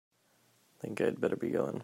Think I'd better be going.